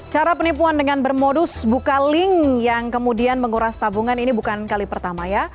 cara penipuan dengan bermodus buka link yang kemudian menguras tabungan ini bukan kali pertama ya